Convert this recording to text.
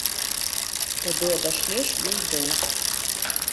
Тады адашлеш ёй доўг.